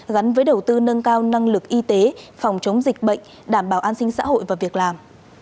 gắn với đầu tư nâng cao năng lực y tế phòng chống dịch bệnh đảm bảo an sinh xã hội và việc làm